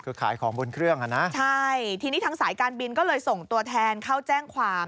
คือขายของบนเครื่องอ่ะนะใช่ทีนี้ทางสายการบินก็เลยส่งตัวแทนเข้าแจ้งความ